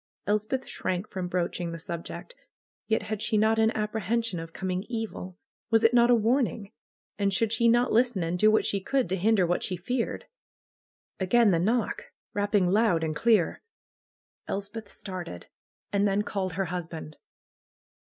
Elspeth shrank from broaching the subject. Yet had she not an apprehension of coming evil? Was it not a warn ing? And should she not listen and do what she could to hinder what she feared? Again the knock! Eapping loud and clear. Elspeth started. And then called her husband.